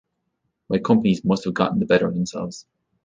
My companies must have gotten the better of themselves.